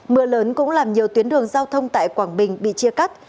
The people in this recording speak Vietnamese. mưa lớn cũng làm nhiều tuyến đường giao thông tại quảng bình bị chia cắt